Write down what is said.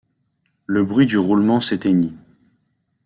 Le bruit du roulement s’éteignit.